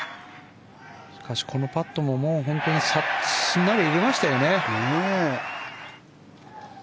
しかし、このパットもすんなり入れましたよね。